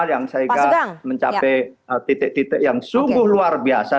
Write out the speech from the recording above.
yang sehingga mencapai titik titik yang sungguh luar biasa